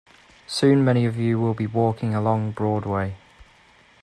Soon many of you will be walking along Broadway.